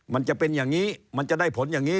มันจะเป็นอย่างนี้มันจะได้ผลอย่างนี้